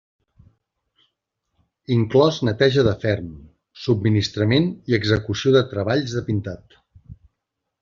Inclòs neteja de ferm, subministrament i execució de treballs de pintat.